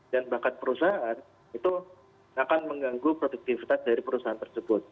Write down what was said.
dan bahkan perusahaan itu akan mengganggu produktivitas dari perusahaan tersebut